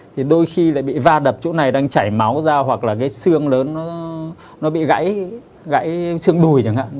thì đôi khi lại bị va đập chỗ này đang chảy máu ra hoặc là cái xương lớn nó bị gãy xương đùi chẳng hạn